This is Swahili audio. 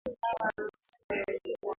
Njoo nikupee ulichohitaji